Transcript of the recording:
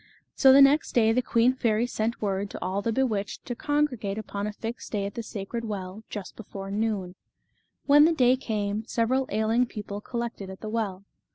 So the next day the queen fairy sent word to all the bewitched to congregate upon a fixed day at the sacred well, just before noon. When the day came, several ailing people collected at the well.